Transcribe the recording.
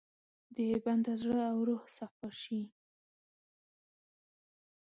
د بنده زړه او روح صفا شي.